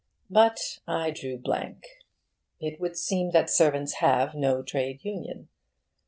But I drew blank. It would seem that servants have no trade union.